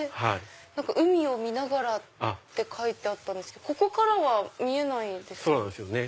海を見ながらって書いてあったんですけどここからは見えないですよね。